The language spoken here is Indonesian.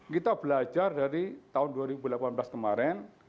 kita belajar dari tahun dua ribu delapan belas kemarin